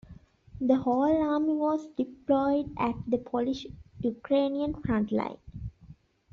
The whole army was deployed at the Polish-Ukrainian frontline.